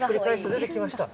出てきました。